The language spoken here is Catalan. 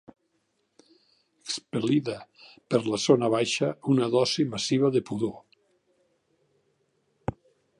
Expel·lida per la zona baixa una dosi massiva de pudor.